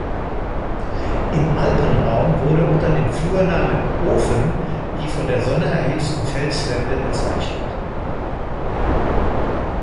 Im Alpenraum wurde unter dem Flurnamen "Ofen", die von der Sonne erhitzten Felswände bezeichnet.